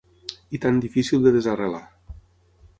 I tan difícil de desarrelar